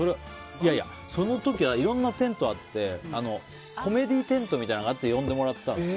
その時はいろんなテントがあってコメディーテントみたいなのがあって呼んでもらったんです。